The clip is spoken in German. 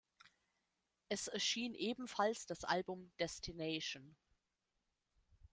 Es erschien ebenfalls das Album "Destination".